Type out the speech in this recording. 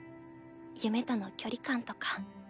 夢との距離感とか。